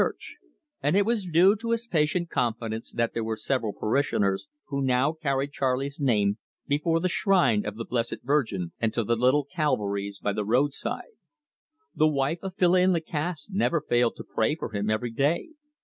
The Cure had ever clung to his fond hope; and it was due to his patient confidence that there were several parishioners who now carried Charley's name before the shrine of the blessed Virgin, and to the little calvaries by the road side. The wife of Filion Lacasse never failed to pray for him every day.